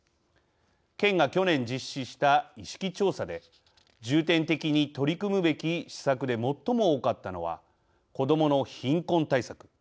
県が去年、実施した意識調査で重点的に取り組むべき施策で最も多かったのは子どもの貧困対策。